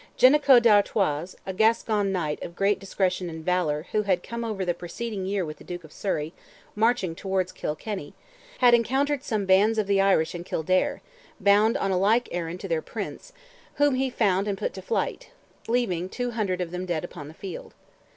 Jenico d'Artois, a Gascon knight of great discretion and valour, who had come over the preceding year with the Duke of Surrey, marching towards Kilkenny, had encountered some bands of the Irish in Kildare (bound on a like errand to their prince), whom he fought and put to flight, leaving two hundred of them dead upon the field.